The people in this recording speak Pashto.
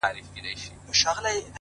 اخلاص باور ژوروي.!